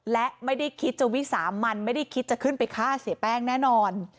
และไม่ได้คิดจะวิสามันไม่ได้คิดจะขึ้นไปฆ่าเสียแป้งแน่นอน